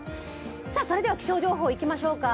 それでは気象情報いきましょうか。